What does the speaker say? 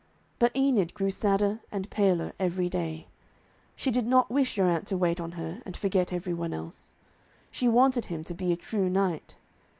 But Enid grew sadder and paler every day. She did not wish Geraint to wait on her and forget every one else. She wanted him to be a true knight.